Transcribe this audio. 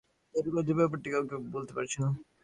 তার কষ্টের ব্যাপারটি কাউকে বলতে পারছে না।